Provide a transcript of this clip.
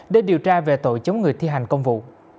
để điều tra về tội chống người thi hành công vụ